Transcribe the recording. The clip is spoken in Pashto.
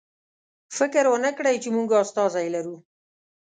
فکر ونکړئ چې موږ استازی لرو.